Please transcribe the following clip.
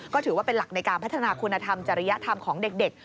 ก็ถือว่าเป็นหลักในการพัฒนาคุณธรรมจริยธรรมของเด็ก